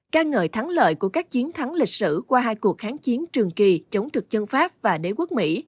ca ngợi thắng lợi của các chiến thắng lịch sử qua hai cuộc kháng chiến trường kỳ chống thực chân pháp và đế quốc mỹ